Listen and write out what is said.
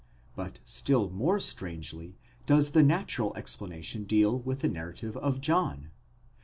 But still more strangely does the natural explanation deal with the narrative of John.